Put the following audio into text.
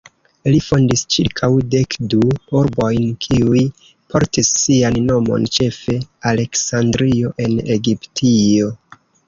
Li fondis ĉirkaŭ dekdu urbojn kiuj portis sian nomon, ĉefe Aleksandrio en Egiptio.